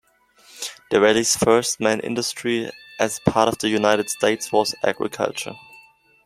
The valley's first main industry as a part of the United States was agriculture.